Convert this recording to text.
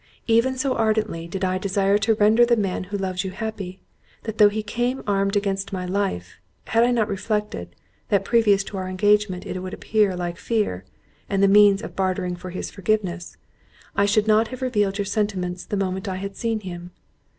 Even so ardently did I desire to render the man who loves you happy, that though he came armed against my life, had I not reflected, that previous to our engagement it would appear like fear, and the means of bartering for his forgiveness, I should have revealed your sentiments the moment I had seen him.